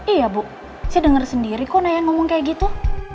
iya bu saya dengar sendiri kok naya ngomong kayak gitu